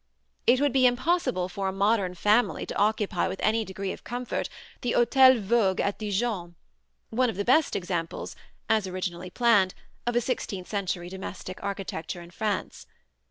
It would be impossible for a modern family to occupy with any degree of comfort the Hôtel Voguë at Dijon, one of the best examples (as originally planned) of sixteenth century domestic architecture in France.